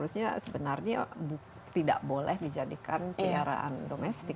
sebenarnya tidak boleh dijadikan peliharaan domestik